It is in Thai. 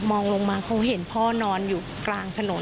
ลงมาเขาเห็นพ่อนอนอยู่กลางถนน